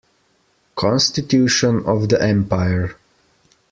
Constitution of the empire.